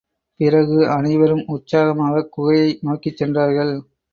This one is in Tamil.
பிறகு, அனைவரும் உற்சாகமாகக் குகையை நோக்கிச் சென்றார்கள்.